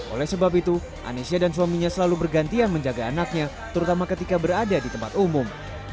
oleh sebab itu anesya dan suaminya selalu bergantian menjaga anaknya terutama ketika berada di tempat umum